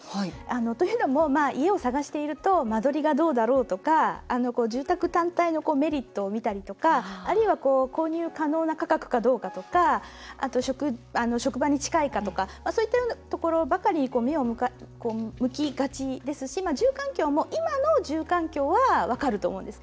というのも家を探していると間取りがどうだろうとか住宅単体のメリットを見たりとかあるいは、購入可能な価格かどうかとかあと、職場に近いかとかそういったところばかり目が向きがちですし住環境も今の住環境は分かると思うんです。